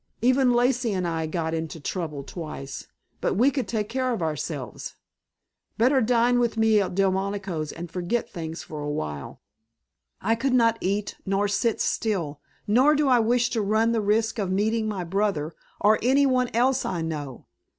Even Lacey and I got into trouble twice, but we could take care of ourselves. Better dine with me at Delmonico's and forget things for a while." "I could not eat, nor sit still. Nor do I wish to run the risk of meeting my brother; or any one else I know.